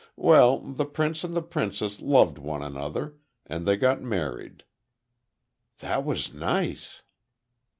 Well, the prince and the princess loved one another, and they got married." "That was nice."